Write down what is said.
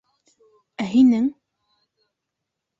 Ә һинең?